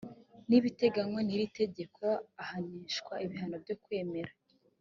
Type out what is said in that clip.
n ibiteganywa n iri tegeko ahanishwa ibihano byo kwemera